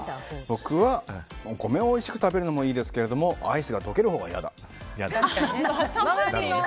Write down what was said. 僕は、お米をおいしく食べるのもいいですけどもアイスが溶けるほうが嫌だ。